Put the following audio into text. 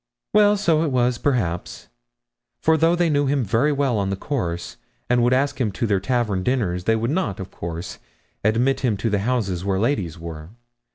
'Well, so it was perhaps; for though they knew him very well on the course, and would ask him to their tavern dinners, they would not, of course, admit him to the houses where ladies were.